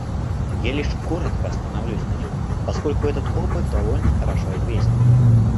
Я лишь коротко остановлюсь на нем, поскольку этот опыт довольно хорошо известен.